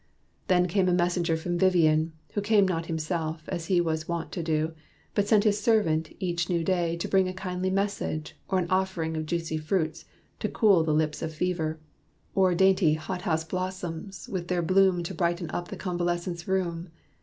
Then came a messenger from Vivian, who Came not himself, as he was wont to do, But sent his servant each new day to bring A kindly message, or an offering Of juicy fruits to cool the lips of fever, Or dainty hot house blossoms, with their bloom To brighten up the convalescent's room.